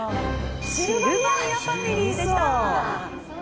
シルバニアファミリーでした。